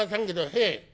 へえ」。